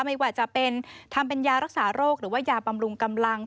ไม่ว่าจะเป็นทำเป็นยารักษาโรคหรือว่ายาบำรุงกำลัง